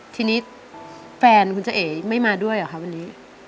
ทีนี้แฟนคุณเจ้าเอ๋ไม่มาด้วยเหรอคะวันนี้